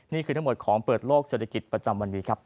นี่คือทั้งหมดของเปิดโลกเศรษฐกิจประจำวันนี้ครับ